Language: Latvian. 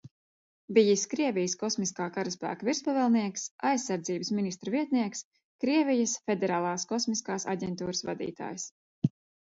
Bijis Krievijas Kosmiskā karaspēka virspavēlnieks, Aizsardzības ministra vietnieks, Krievijas Federālās kosmiskās aģentūras vadītājs.